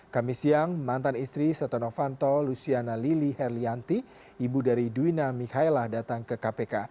kami siang mantan istri setonofanto luciana lili herlianti ibu dari duwina mikaela datang ke kpk